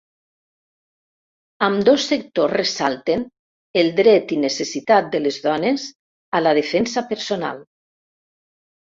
Ambdós sectors ressalten el dret i necessitat de les dones a la defensa personal.